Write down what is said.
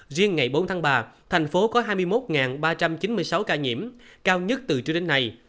riêng ngày bốn tháng ba thành phố có hai mươi một ba trăm chín mươi sáu ca nhiễm cao nhất từ trước đến nay